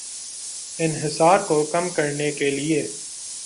انحصار کو کم کرنے کے لیے